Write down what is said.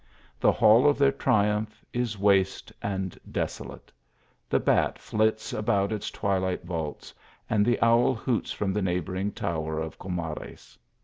The hall of their triumph is waste and desolate. The bat flits about its twilight vaults, and the owl hoots from the neighbouring tower of Comares.